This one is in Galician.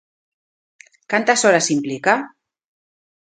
¿Cantas horas implica?